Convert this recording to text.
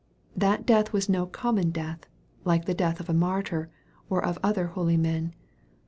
That death was no common death, like the death of a martyr, or of other holy men.